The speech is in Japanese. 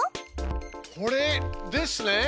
これですね？